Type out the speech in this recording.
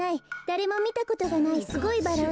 「だれもみたことないすごいバラ！」